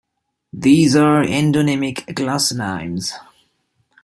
These are endonymic glossonyms.